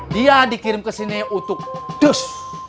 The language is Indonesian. dia dikirim ke sini untuk dus